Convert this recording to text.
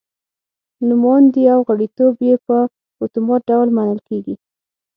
نوماندي او غړیتوب یې په اتومات ډول منل کېږي.